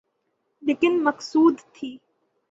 لیکن مقصود تھی۔